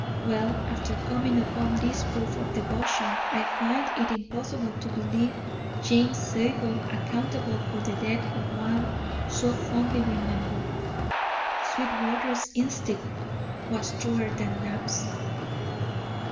Well, after coming upon this proof of devotion, I find it impossible to believe James Zabel accountable for the death of one so fondly remembered. Sweetwater's instinct was truer than Knapp's."